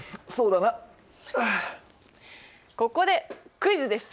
ここでクイズです。